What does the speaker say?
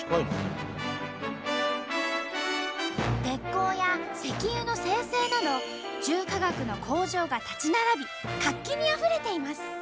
鉄鋼や石油の精製など重化学の工場が立ち並び活気にあふれています。